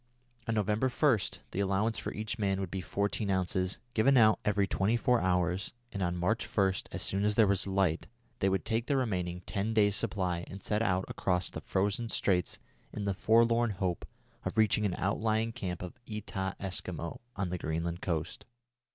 On November 1, the allowance for each man would be fourteen ounces, given out every twenty four hours, and on March 1, as soon as there was light, they would take their remaining ten days' supply and set out across the frozen straits in the forlorn hope of reaching an outlying camp of Etah Eskimo on the Greenland coast.